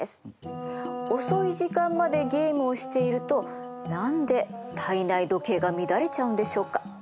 遅い時間までゲームをしていると何で体内時計が乱れちゃうんでしょうか？